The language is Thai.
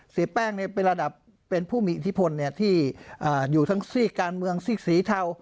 เสียแป้งเป็นระดับเป็นผู้มีอิทธิพลที่อยู่ทั้งซีกการเมืองซีกสีเทา